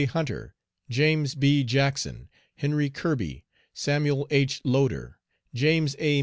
Hunter, James B. Jackson, Henry Kirby, Samuel H. Loder, James A.